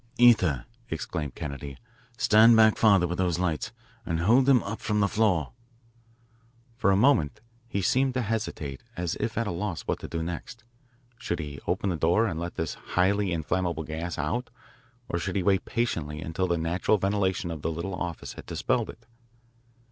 "Ether," exclaimed Kennedy. "Stand back farther with those lights and hold them up from the floor." For a moment he seemed to hesitate as if at loss what to do next. Should he open the door and let this highly inflammable gas out or should he wait patiently until the natural ventilation of the little office had dispelled it?